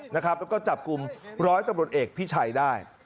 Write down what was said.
แล้วก็จับกลุ่มร้อยตำรวจเอกพิชัยได้